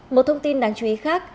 một thông tin đáng chú ý khác